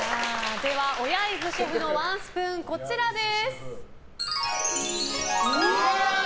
では小柳津シェフのワンスプーン、こちらです。